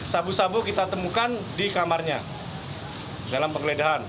sabu sabu kita temukan di kamarnya dalam penggeledahan